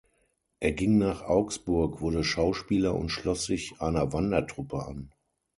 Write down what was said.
Er ging nach Augsburg, wurde Schauspieler und schloss sich einer Wandertruppe an.